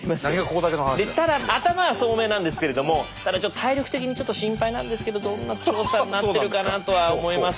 でただ頭は聡明なんですけれどもただちょっと体力的に心配なんですけどどんな調査になってるかなとは思います。